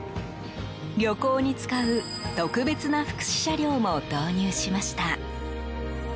旅行に使う特別な福祉車両も導入しました。